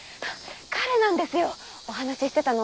彼なんですよお話ししてたの。